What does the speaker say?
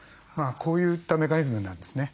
こういったメカニズムなんですね。